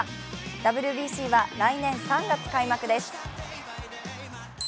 ＷＢＣは来年３月開幕です。